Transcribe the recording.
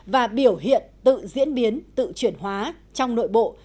và biểu hiện tự diễn biến tự chuyển hóa trong nội bộ